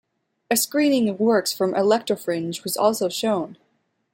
A screening of works from Electrofringe was also shown.